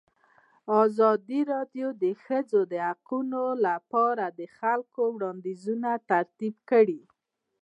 ازادي راډیو د د ښځو حقونه په اړه د خلکو وړاندیزونه ترتیب کړي.